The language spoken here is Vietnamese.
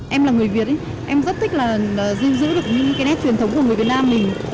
em là người việt em rất thích là giữ được những cái nét truyền thống của người việt nam mình